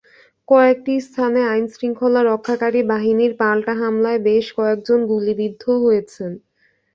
কয়েকটি স্থানে আইনশৃঙ্খলা রক্ষাকারী বাহিনীর পাল্টা হামলায় বেশ কয়েকজন গুলিবিদ্ধ হয়েছেন।